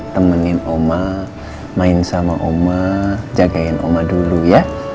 temenin oma main sama oma jagain oma dulu ya